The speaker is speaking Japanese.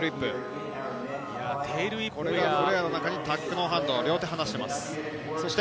フレアの中にタックノーハンド、両手を離しています。